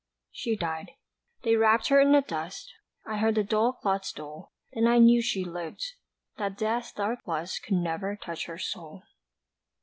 She died. They wrapped her in the dust I heard the dull clod's dole, And then I knew she lived that death's dark lust Could never touch her soul!